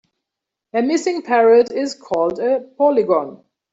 A missing parrot is called a polygon.